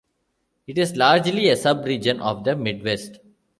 It is largely a sub-region of the Midwest.